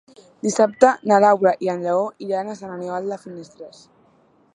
Dissabte na Laura i en Lleó iran a Sant Aniol de Finestres.